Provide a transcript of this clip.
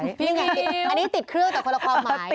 นี่ไงอันนี้ติดเครื่องแต่คนละความหมาย